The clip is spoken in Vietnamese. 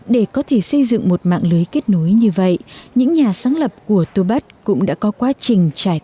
để có thể xây dựng một mạng lưới kết nối như vậy những nhà sáng lập của tô bắt cũng đã có quá trình trải nghiệm